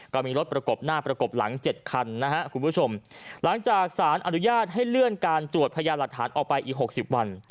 ก็มีรถประกบหน้าประกบหลัง๗คันหลังจากศาลอนุญาตให้เลื่อนการตรวจพยายามหลักฐานออกไปอีก๖๐วัน